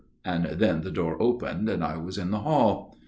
' and then the door opened, and I was in the hall.